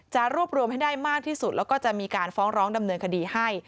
จะรวบรวมให้ได้มากที่สุดแล้วก็จะมีการฟ้องร้องดำเนินคดีให้